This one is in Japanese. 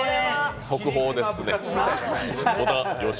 速報ですね。